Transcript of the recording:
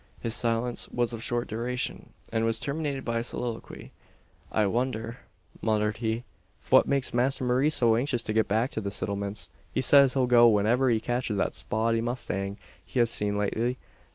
His silence was of short duration; and was terminated by a soliloquy. "I wondher," muttered he, "fwhat makes Masther Maurice so anxious to get back to the Sittlements. He says he'll go wheniver he catches that spotty mustang he has seen lately.